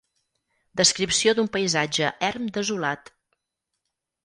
Descripció d'un paisatge erm desolat.